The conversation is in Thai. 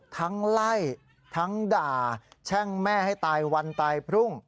ไล่ทั้งด่าแช่งแม่ให้ตายวันตายพรุ่ง